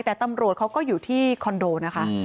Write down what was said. แต่ตำรวจเขาก็อยู่ที่คอนโดนะคะ